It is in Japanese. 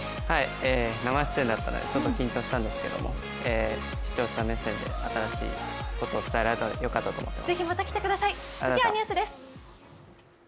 生出演だったので、ちょっと緊張したんですけれども視聴者目線で新しいことを伝えられてよかったと思います。